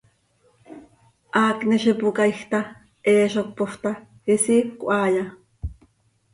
Haacni z ipocaaij ta, hee zo cöpoofp ta ¿isiicö haaya?